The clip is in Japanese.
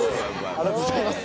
ありがとうございます。